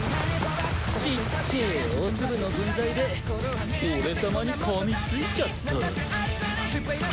ちっちぇえおツブの分際で俺様に噛みついちゃった。